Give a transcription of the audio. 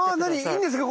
いいんですか？